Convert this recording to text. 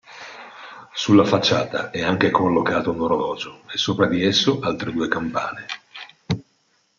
Sulla facciata è anche collocato un orologio e sopra di esso altre due campane.